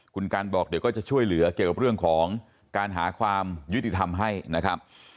คุณกันบอกเดี๋ยวก็จะช่วยเหลือเกี่ยวกับเรื่องของการหาความยุติธรรมให้นะครับ